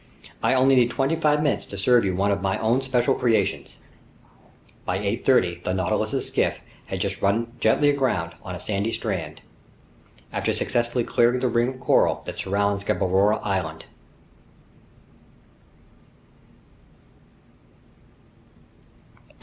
"I only need twenty five minutes to serve you one of my own special creations." By 8:30 the Nautilus's skiff had just run gently aground on a sandy strand, after successfully clearing the ring of coral that surrounds Gueboroa Island.